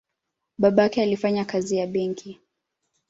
Babake alifanya kazi ya benki.